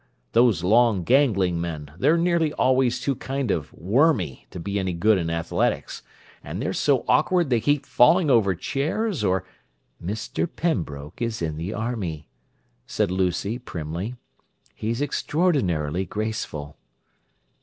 Those long, gangling men, they're nearly always too kind of wormy to be any good in athletics, and they're so awkward they keep falling over chairs or—" "Mr. Pembroke is in the army," said Lucy primly. "He's extraordinarily graceful."